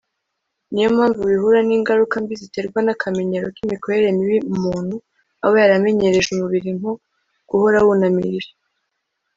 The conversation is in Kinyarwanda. niyo mpamvu bihura n'ingaruka mbi ziterwa n'akamenyero k'imikorere mibi umuntu aba yaramenyereje umubiri nko guhora wunamirije